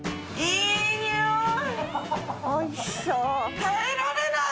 おいしそう。